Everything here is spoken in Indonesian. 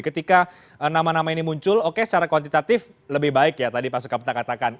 ketika nama nama ini muncul oke secara kuantitatif lebih baik ya tadi pak sukamta katakan